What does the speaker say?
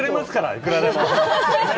いくらでも！